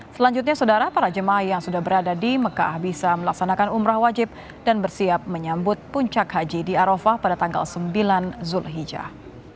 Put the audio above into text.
selanjutnya saudara para jemaah yang sudah berada di mekah bisa melaksanakan umrah wajib dan bersiap menyambut puncak haji di arafah pada tanggal sembilan zulhijjah